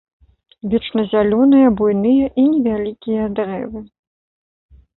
Вечназялёныя буйныя і невялікія дрэвы.